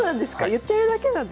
言ってるだけなんですね。